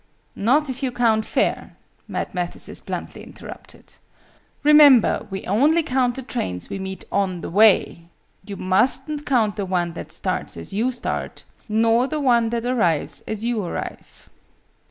"Not if you count fair," Mad Mathesis bluntly interrupted. "Remember, we only count the trains we meet on the way. You mustn't count the one that starts as you start, nor the one that arrives as you arrive."